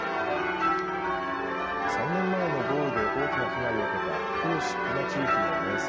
３年前の豪雨で大きな被害を受けた人吉球磨地域の名産